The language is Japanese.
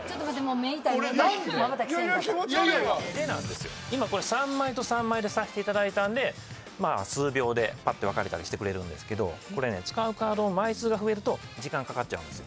で今これ３枚と３枚でさせていただいたんで数秒でぱっと分かれたりしてくれるんですけどこれね使うカードの枚数が増えると時間かかっちゃう。